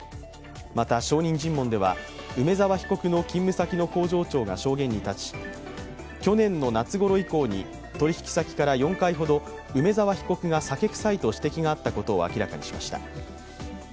また、証人尋問では梅沢被告の勤務先の工場長が証言に立ち去年の夏ごろ以降に取引き先から４回ほど、梅沢被告が酒臭いと指摘があったことを明らかにしました。